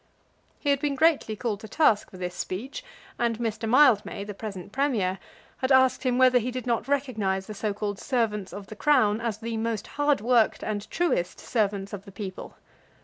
He had been greatly called to task for this speech; and Mr. Mildmay, the present Premier, had asked him whether he did not recognise the so called servants of the Crown as the most hard worked and truest servants of the people.